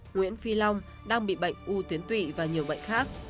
nguyễn phi long đang bị bệnh u tuyến tụy và nhiều bệnh khác